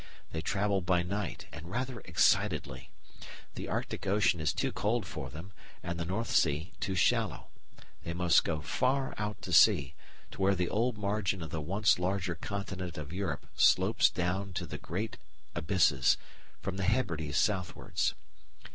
They travel by night and rather excitedly. The Arctic Ocean is too cold for them and the North Sea too shallow. They must go far out to sea, to where the old margin of the once larger continent of Europe slopes down to the great abysses, from the Hebrides southwards.